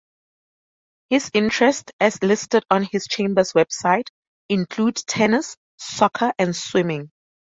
His interests, as listed on his chambers website, include tennis, soccer, and swimming.